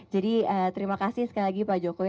jadi terima kasih sekali lagi pak jokowi